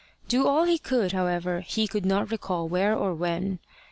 Do all he could, however, he could not recall where or when.